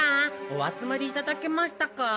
お集まりいただけましたか？